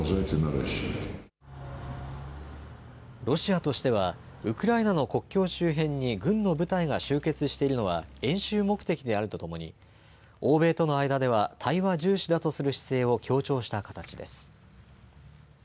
ロシアとしては、ウクライナの国境周辺に軍の部隊が集結しているのは演習目的であるとともに欧米との間では対話重視だとする姿勢を強調した形です。